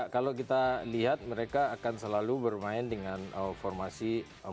kalau kita lihat mereka akan selalu bermain dengan formasi empat